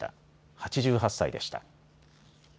８８歳でした。